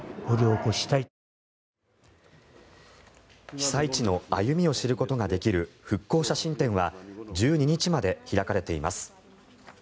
被災地の歩みを知ることができる復興写真展は１２日まで開かれています。